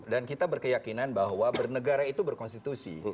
dan kita berkeyakinan bahwa bernegara itu berkonstitusi